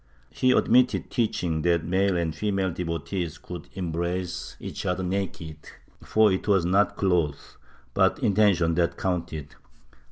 He admitted teaching that male and female devotees could embrace Chap. V] FRANCISCA HERNANDEZ H each other naked, for it was not clothes but intention that counted.